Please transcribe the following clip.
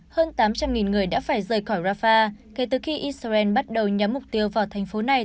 hơn tám trăm linh người đã phải rời khỏi rafah kể từ khi israel bắt đầu nhắm mục tiêu vào thành phố này